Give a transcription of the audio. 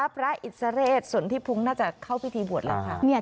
พระอิสระเรศสนทิพุงน่าจะเข้าพิธีบวชแล้วค่ะ